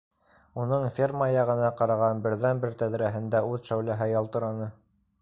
Уның ферма яғына ҡараған берҙән-бер тәҙрәһендә ут шәүләһе ялтыраны.